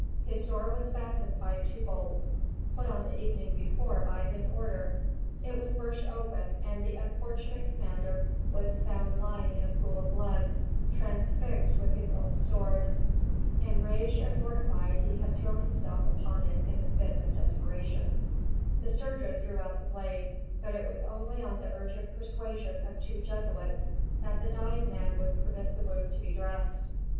His door was fastened by two bolts, put on the evening before by his order. It was burst open, and the unfortunate commander was found lying in a pool of blood, transfixed with his own sword. Enraged and mortified, he had thrown himself upon it in a fit of desperation. The surgeon drew out the blade, but it was only on the urgent persuasion of two Jesuits that the dying man would permit the wound to be dressed.